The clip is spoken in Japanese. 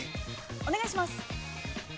◆お願いします。